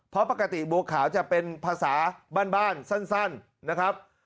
เพราะปกติบัวขาวจะเป็นภาษาบ้านสั้นนะครับ